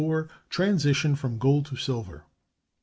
Transition from gold to silver.